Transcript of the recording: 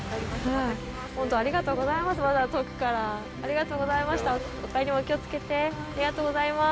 本当、ありがとうございます。